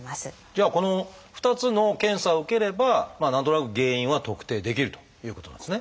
じゃあこの２つの検査を受ければ何となく原因は特定できるということなんですね。